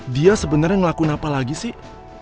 dia sebenarnya ngelakuin apa lagi sih